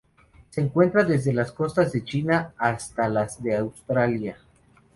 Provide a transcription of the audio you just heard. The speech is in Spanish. Se encuentran desde las costas de China hasta las de Australia.